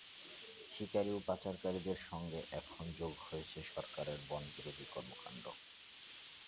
শিকারি ও পাচারকারীদের সঙ্গে এখন যোগ হয়েছে সরকারের বনবিরোধী কর্মকাণ্ড।